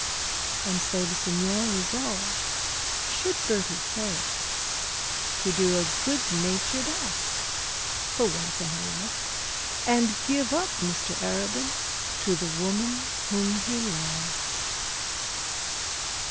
And so the signora resolved, should Bertie fail, to do a good natured act for once in her life, and give up Mr Arabin to the woman whom he loved.